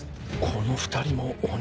この２人も鬼？